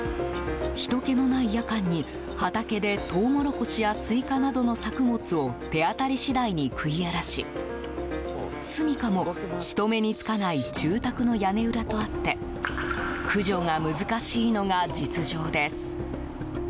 人気のない夜間に畑で、トウモロコシやスイカなどの作物を手当たり次第に食い荒らしすみかも人目につかない住宅の屋根裏とあって駆除が難しいのが実情です。